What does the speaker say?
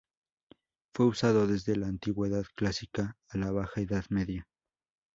Fue usado desde la Antigüedad Clásica a la Baja Edad Media.